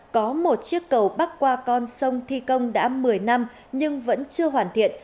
có một chiếc cầu bắc qua con sông thi công đã một mươi năm nhưng vẫn chưa hoàn thiện